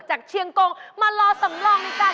พอแล้วขอบคุณค่ะ